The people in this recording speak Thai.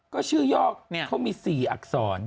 ก็ชื่อยอกเขามี๔อักษร